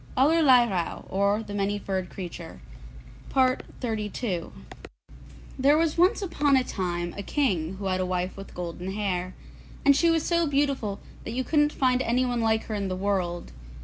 ALLERLEIRAUH; OR, THE MANY FURRED CREATURE There was once upon a time a King who had a wife with golden hair, and she was so beautiful that you couldn't find anyone like her in the world.